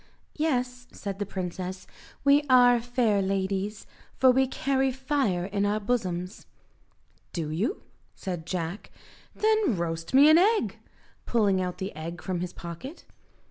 "Yes," said the princess, "we are fair ladies, for we carry fire in our bosoms." "Do you?" said Jack, "then roast me an egg," pulling out the egg from his pocket.